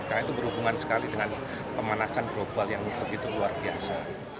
karena itu berhubungan sekali dengan pemanasan global yang begitu luar biasa